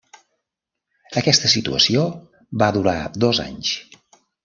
Aquesta situació va durar dos anys.